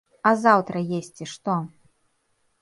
А заўтра есці што?